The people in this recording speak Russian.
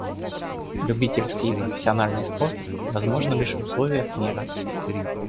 Любительский и профессиональный спорт возможны лишь в условиях мира.